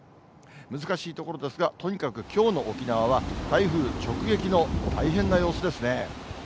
難しいところですが、とにかくきょうの沖縄は台風直撃の大変な様子ですね。